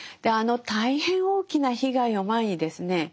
あの大変大きな被害を前にですね